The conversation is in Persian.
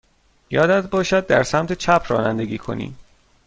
یادت باشد در سمت چپ رانندگی کنی.